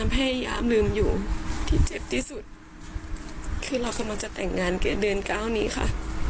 พยายามลืมอยู่ที่เจ็บที่สุดคือเรากำลังจะแต่งงานแกเดือนเก้านี้ค่ะ